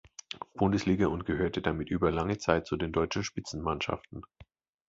Bundesliga und gehörte damit über lange Zeit zu den deutschen Spitzenmannschaften.